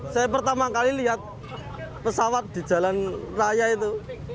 saya pertama kali lihat pesawat di jalan raya itu